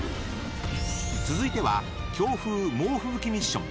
続いては、強風猛吹雪ミッション。